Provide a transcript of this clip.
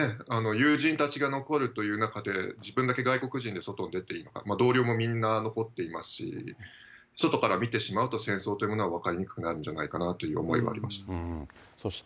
友人たちが残るという中で、自分だけ外国人で外へ出ていった、同僚もみんな残っていますし、外から見てしまうと戦争というのは分かりにくくなるんじゃないかそして。